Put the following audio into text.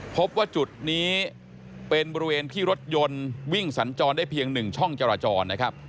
พบว่าจุดนี้เป็นบริเวณที่รถยนต์วิ่งสัญจรได้เพียง๑ช่องจราจรนะครับ